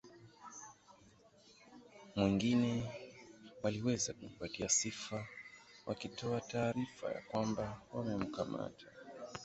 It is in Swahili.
mwingine waliweza kujipatia sifa wakitoa taarifa ya kwamba wamekamata